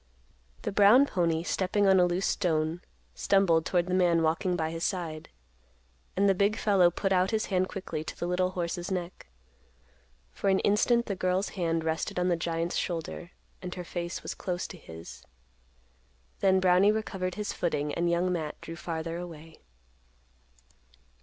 The brown pony, stepping on a loose stone, stumbled toward the man walking by his side. And the big fellow put out his hand quickly to the little horse's neck. For an instant, the girl's hand rested on the giant's shoulder, and her face was close to his. Then Brownie recovered his footing, and Young Matt drew farther away.